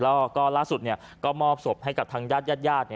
แล้วก็ล่าสุดก็มอบศพให้กับทางญาติญาติ